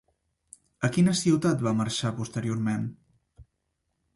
A quina ciutat va marxar posteriorment?